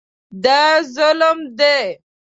دا ظلم دی.